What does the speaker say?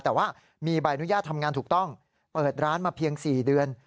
แต่ว่ามีใบอนุญาตทำงานถูกต้องเปิดร้านมาเพียง๔เดือน